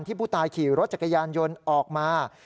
ผู้ตายขี่รถจักรยานยนต์ออกมา